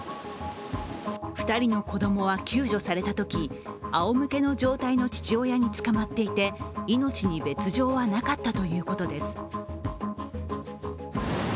２人の子供は救助されたとき仰向けの状態の父親に捕まっていて、命に別状はなかったということです。